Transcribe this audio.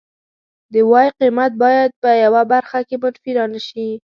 د وای قیمت باید په یوه برخه کې منفي را نشي